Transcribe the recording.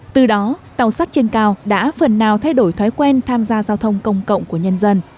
từ đó tàu sắt trên cao đã phần nào thay đổi thói quen tham gia giao thông công cộng của nhân dân